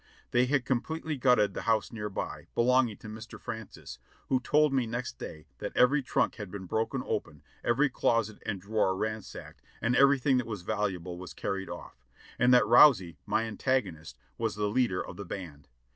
They had completely gutted the house near by, belonging to Mr. Francis, who told me next day that every trunk had been broken open, every closet and drawer ransacked and everything that was valuable was carried off, and that Rouzie, my antagonist, was the leader of the band.